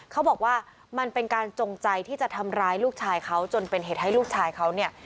เขาบอกว่ามันเป็นการจงใจที่จะทำร้ายลูกชายเขาจนเป็นเหตุให้ลูกชายเขาเนี่ย